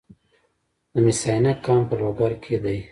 د مس عینک کان په لوګر کې دی